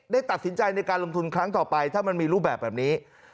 ได้ตัดสินใจในการลงทุนครั้งต่อไปถ้ามันมีรูปแบบนี้